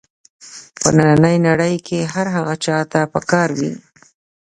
په نننۍ نړۍ کې هر هغه چا ته په کار وي.